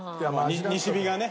西日がね。